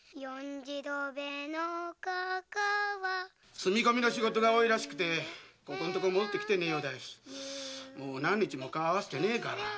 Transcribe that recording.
住み込みの仕事が多いらしくてここんとこ戻ってきてねえようだしもう何日も顔合わせてねえから。